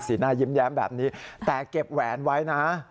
หน้ายิ้มแย้มแบบนี้แต่เก็บแหวนไว้นะ